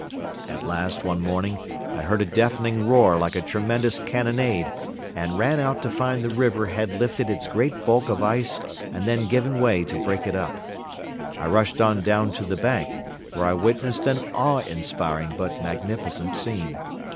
At last one morning I heard a deafening roar like a tremendous cannonade and ran out to find the river had lifted its great bulk of ice and then given way to break it up. I rushed on down to the bank, where I witnessed an awe inspiring but magnificent scene.